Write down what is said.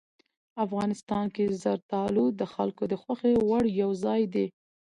افغانستان کې زردالو د خلکو د خوښې وړ یو ځای دی.